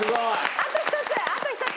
あと一つあと一つ。